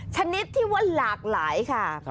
ชนิดที่ว่าหลากหลายค่ะ